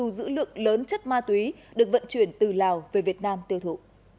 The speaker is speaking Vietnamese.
được vận chuyển từ lào về việt nam tiêu thụ